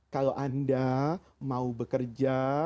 kalau anda mau bekerja